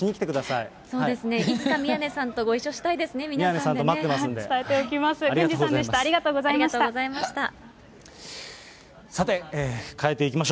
いつか宮根さんとご一緒したいですね、みんなで伝えておきます。